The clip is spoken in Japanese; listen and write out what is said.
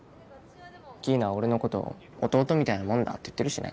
キイナは俺のこと弟みたいなもんだって言ってるしね